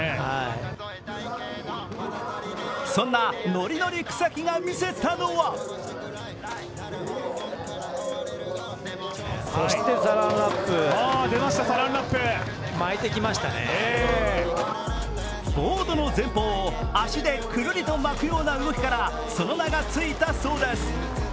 そんなノリノリ草木が見せたのはボードの前方を足でくるりと巻くような動きから、その名がついたそうです。